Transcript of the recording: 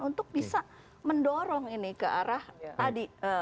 untuk bisa mendorong ini ke arah tadi